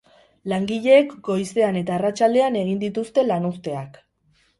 Langileek goizean eta arratsaldean egin dituzte lanuzteak.